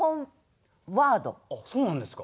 あっそうなんですか？